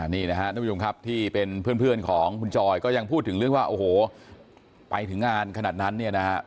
นี่นะครับทุกผู้ชมครับที่เป็นเพื่อนของคุณจอยก็ยังพูดถึงเรื่องว่าโอ้โหไปถึงงานขนาดนั้นเนี่ยนะฮะ